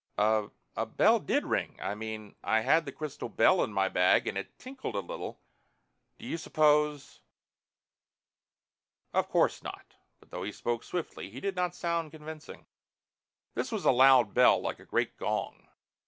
"A a bell did ring. I mean, I had the crystal bell in my bag and it tinkled a little. Do you suppose " "Of course not." But though he spoke swiftly he did not sound convincing. "This was a loud bell. Like a great gong."